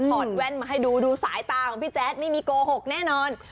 อดแว่นมาให้ดูดูสายตาของพี่แจ๊ดไม่มีโกหกแน่นอน